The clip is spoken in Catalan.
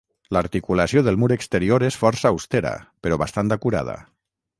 L'articulació del mur exterior és força austera però bastant acurada.